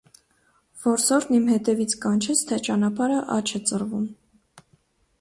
Որսորդն իմ հետևից կանչեց, թե ճանապարհը աջ է ծռվում: